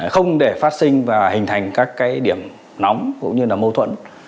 không để phát sinh và hình thành các điểm nóng cũng như là mâu thuẫn